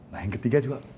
nah yang ketiga juga